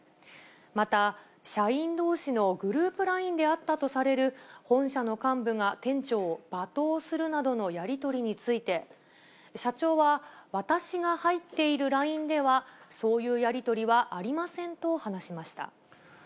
また、社員どうしのグループＬＩＮＥであったとされる本社の幹部が店長を罵倒するなどのやり取りについて、社長は私が入っているＬＩＮＥでは、そういうやり取りはありませんと話しました。